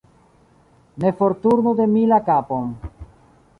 Ne forturnu de mi la kapon.